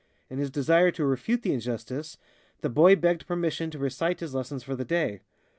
In his desire to refute the injustice, the boy begged permission to recite his lessons for the day.